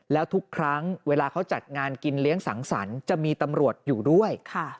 แล้วทุกครั้งเวลาเขาจัดงานกินเลี้ยงสังสรรค์จะมีตำรวจอยู่ด้วย